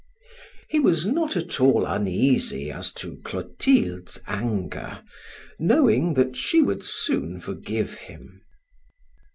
He was not at all uneasy as to Clotilde's anger, knowing that she would soon forgive him.